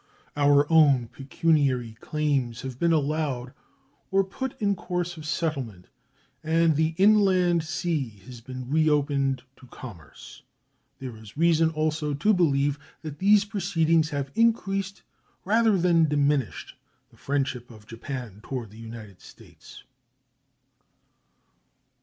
Our own pecuniary claims have been allowed or put in course of settlement, and the inland sea has been reopened to commerce. There is reason also to believe that these proceedings have increased rather than diminished the friendship of Japan toward the United States.